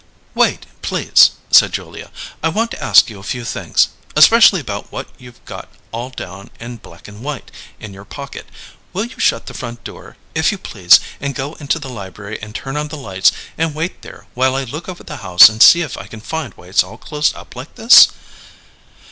"Wait, please," said Julia. "I want to ask you a few things especially about what you've got 'all down in black and white' in your pocket. Will you shut the front door, if you please, and go into the library and turn on the lights and wait there while I look over the house and see if I can find why it's all closed up like this?"